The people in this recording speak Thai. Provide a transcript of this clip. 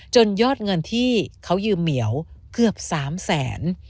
ยอดเงินที่เขายืมเหมียวเกือบ๓แสน